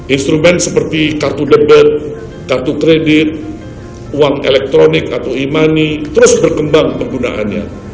instrumen seperti kartu debit kartu kredit uang elektronik atau e money terus berkembang penggunaannya